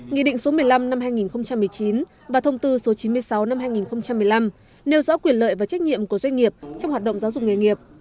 nghị định số một mươi năm năm hai nghìn một mươi chín và thông tư số chín mươi sáu năm hai nghìn một mươi năm nêu rõ quyền lợi và trách nhiệm của doanh nghiệp trong hoạt động giáo dục nghề nghiệp